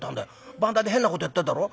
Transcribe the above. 番台で変なことやってるだろ。